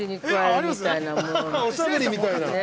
◆おしゃぶりみたいな？